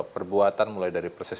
perbuatan mulai dari proses